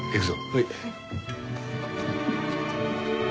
はい。